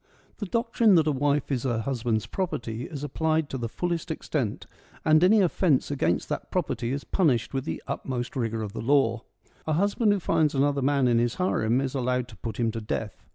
The doctrine that a wife is her husband's property is applied to the fullest extent, and any offence against that property is punished with the utmost rigour of the law. A husband who finds another man in his harem is allowed to put him to death.